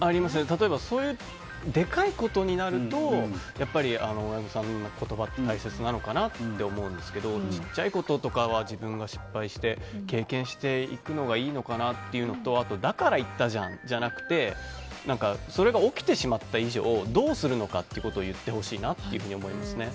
例えばそういうでかいことになると親御さんの言葉は大切なのかなと思うんですけど小さいこととかは自分が失敗して経験していくのがいいのかなっていうのとだから言ったじゃんじゃなくてそれが起きてしまった以上どうするのかっていうことを言ってほしいなと思いますね。